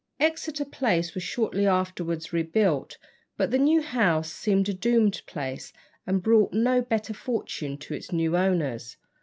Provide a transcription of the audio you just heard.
Exeter Place was shortly afterwards rebuilt, but the new house seemed a doomed place, and brought no better fortune to its new owners.